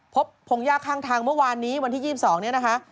พงยากข้างทางเมื่อวานนี้วันที่๒๒เนี่ยนะคะ